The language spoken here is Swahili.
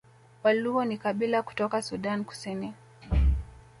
Waluo ni kabila kutoka Sudan Kusini